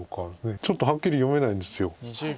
ちょっとはっきり読めないんです。